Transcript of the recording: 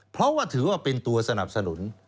เพราะว่าถือว่าเป็นตัวสนับสนุน